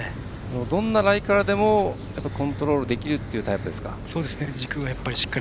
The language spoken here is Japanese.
どんなライからでもコントロールできるというタイプですか。